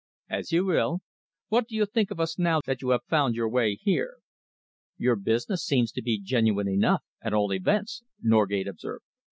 "As you will. What do you think of us now that you have found your way here?" "Your business seems to be genuine enough, at all events," Norgate observed.